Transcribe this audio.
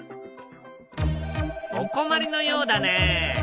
お困りのようだね。